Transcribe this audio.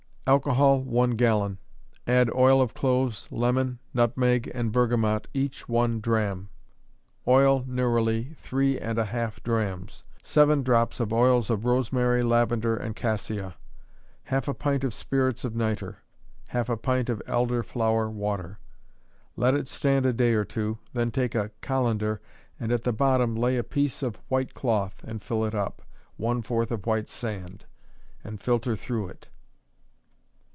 _ Alcohol, one gallon: add oil of cloves, lemon, nutmeg and bergamot, each one drachm; oil neroli, three and a half drachms; seven drops of oils of rosemary, lavender and cassia; half a pint of spirits of nitre; half a pint of elder flower water. Let it stand a day or two, then take a cullender and at the bottom lay a piece of white cloth, and fill it up, one fourth of white sand, and filter through it.